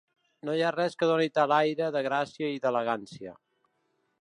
No hi ha res que doni tal aire de gràcia i d'elegància.